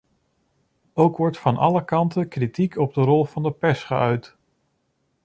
Ook wordt van alle kanten kritiek op de rol van de pers geuit.